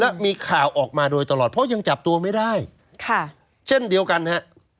และมีข่าวออกมาโดยตลอดเพราะยังจับตัวไม่ได้ค่ะเช่นเดียวกันฮะ